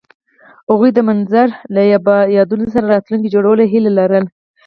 هغوی د منظر له یادونو سره راتلونکی جوړولو هیله لرله.